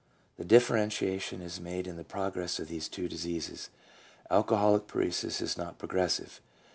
The differentiation is made in the progress of the two diseases. Alcoholic paresis is not pro gressive.